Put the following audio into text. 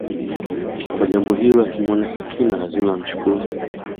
kwa jambo hilo akimwona Sakina lazima amshukuru